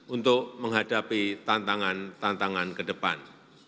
untuk menghadapi tantangan tantangan ke depan